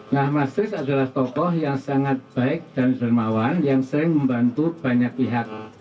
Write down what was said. nah mas riz adalah tokoh yang sangat baik dan dermawan yang sering membantu banyak pihak